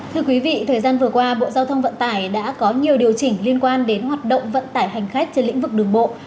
thưa quý vị thời gian vừa qua bộ giao thông vận tải đã có nhiều điều chỉnh liên quan đến hoạt động vận tải hành khách trên lĩnh vực đường bộ